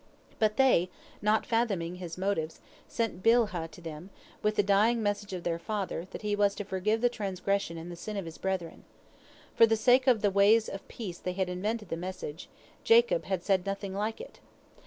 But they, not fathoming his motives, sent Bilhah to him with the dying message of their father, that he was to forgive the transgression and the sin of his brethren. For the sake of the ways of peace they had invented the message; Jacob had said nothing like it.